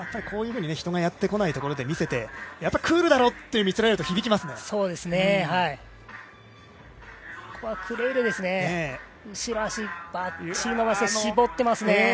こういうふうに、人がやってこないところで見せてきてクールだろって見せられると、響きますね。